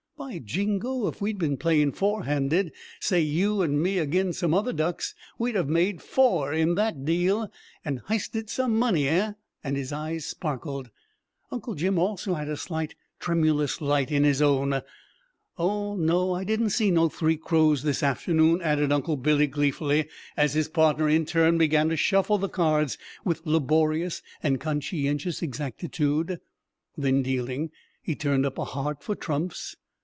"By jingo! If we'd been playin' fourhanded, say you an' me agin some other ducks, we'd have made 'four' in that deal, and h'isted some money eh?" and his eyes sparkled. Uncle Jim, also, had a slight tremulous light in his own. "Oh no! I didn't see no three crows this afternoon," added Uncle Billy gleefully, as his partner, in turn, began to shuffle the cards with laborious and conscientious exactitude. Then dealing, he turned up a heart for trumps.